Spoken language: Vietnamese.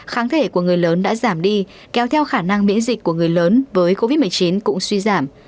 kháng thể của người lớn đã giảm đi kéo theo khả năng miễn dịch của người lớn với covid một mươi chín cũng suy giảm